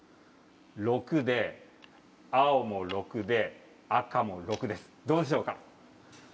６で青も６で赤も６ですどうでしょうか？